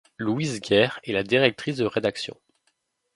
Louise Guerre est la directrice de rédaction.